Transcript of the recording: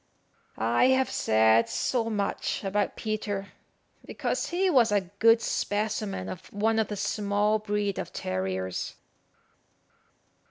I have said so much about Peter, because he was a good specimen of one of the small breed of terriers.